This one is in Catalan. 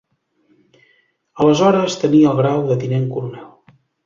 Aleshores, tenia el grau de tinent coronel.